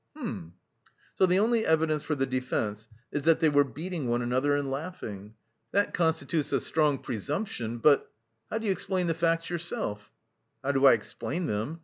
"Hm!... So the only evidence for the defence is that they were beating one another and laughing. That constitutes a strong presumption, but... How do you explain the facts yourself?" "How do I explain them?